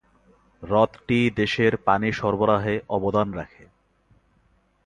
হ্রদটি দেশের পানি সরবরাহে অবদান রাখে।